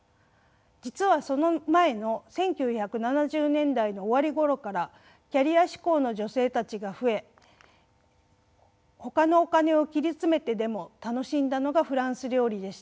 実はその前の１９７０年代の終わり頃からキャリア志向の女性たちが増えほかのお金を切り詰めてでも楽しんだのがフランス料理でした。